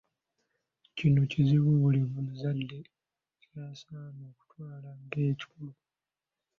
Kino kizibu buli muzadde ky’asaanye okutwala ng’ekikulu.